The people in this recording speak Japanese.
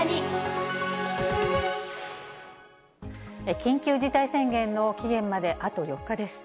緊急事態宣言の期限まであと４日です。